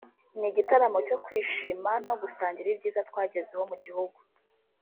ni igitaramo cyo kwishima no gusangira ibyiza twagezeho mu gihugu